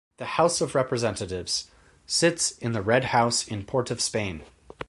The House of Representatives sits in the Red House in Port of Spain.